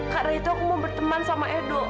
karena itu aku mau berteman sama edo